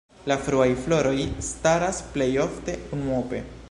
La fruaj floroj staras plej ofte unuope.